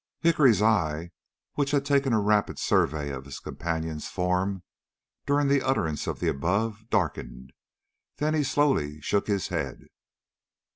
Hickory's eye, which had taken a rapid survey of his companion's form during the utterance of the above, darkened, then he slowly shook his head.